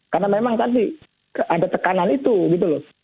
karena memang tadi ada tekanan itu gitu loh